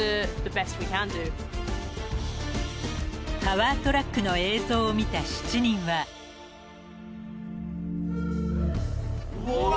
［「パワートラック」の映像を見た７人は］うわ！